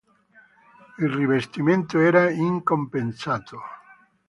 Il rivestimento era in compensato.